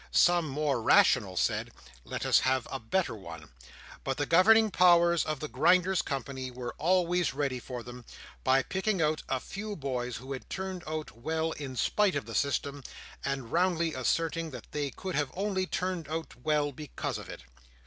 Some more rational said, let us have a better one. But the governing powers of the Grinders' Company were always ready for them, by picking out a few boys who had turned out well in spite of the system, and roundly asserting that they could have only turned out well because of it.